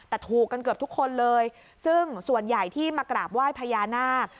แต่ถูกกันเกือบทุกคนเลยซึ่งส่วนใหญ่ที่มากราบไหว้พญานาค